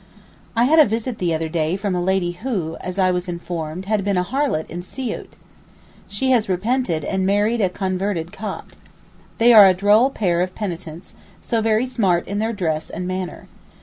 I had a visit the other day from a lady who, as I was informed, had been a harlot in Siout. She has repented, and married a converted Copt. They are a droll pair of penitents, so very smart in their dress and manner.